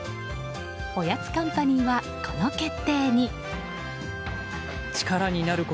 おやつカンパニーはこの決定に。